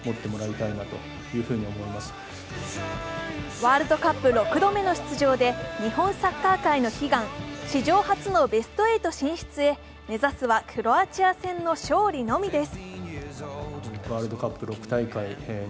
ワールドカップ６度目の出場で日本サッカー界の悲願、史上初のベスト８進出へ目指すはクロアチア戦の勝利のみです。